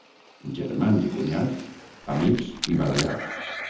Germans i cunyats, amics i barallats.